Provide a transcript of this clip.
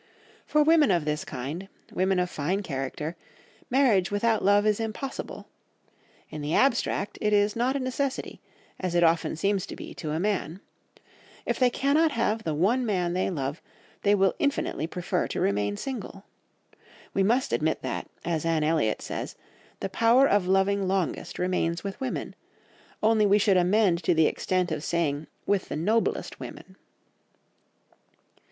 For women of this kind, women of fine character, marriage without love is impossible; in the abstract it is not a necessity, as it often seems to be to a man; if they cannot have the one man they love, they will infinitely prefer to remain single. We must admit that, as Anne Elliot says, the power of loving longest remains with women, only we should amend to the extent of saying with the noblest women.